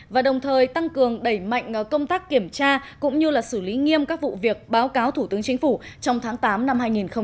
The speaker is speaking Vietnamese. và đồng thời tăng cường đẩy mạnh công tác kiểm tra cũng như xử lý nghiêm các vụ việc báo cáo thủ tướng chính phủ trong tháng tám năm hai nghìn hai mươi